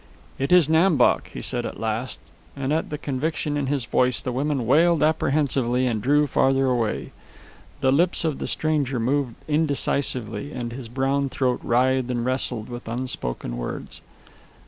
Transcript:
"It is Nam Bok," he said at last, and at the conviction in his voice the women wailed apprehensively and drew farther away. The lips of the stranger moved indecisively, and his brown throat writhed and wrestled with unspoken words.